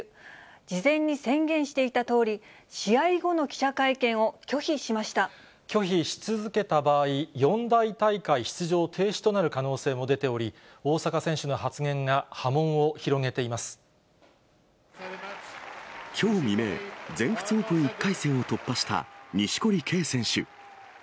事前に宣言していたとおり、拒否し続けた場合、四大大会出場停止となる可能性も出ており、大坂選手の発言が波紋きょう未明、全仏オープン１回戦を突破した錦織圭選手。